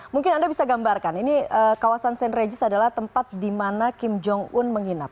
mungkin anda bisa gambarkan ini kawasan st regis adalah tempat di mana kim jong un menginap